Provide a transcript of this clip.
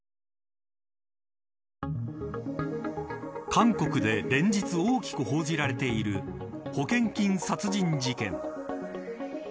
韓国で連日大きく報道されている保険金殺人事件。